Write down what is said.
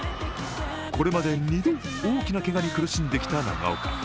これまで２度、大きなけがに苦しんできた長岡。